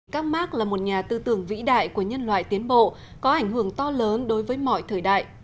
các mark là một nhà tư tưởng vĩ đại của nhân loại tiến bộ có ảnh hưởng to lớn đối với mọi thời đại